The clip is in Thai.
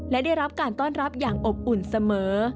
และได้รับการต้อนรับอย่างอบอุ่นเสมอ